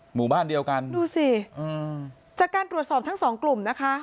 หมู่บ้านเดียวกันดูสิอืมจากการตรวจสอบทั้งสองกลุ่มนะคะ